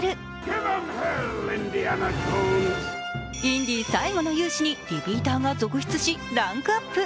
インディ最後の勇姿にリピーターが続出しランクアップ。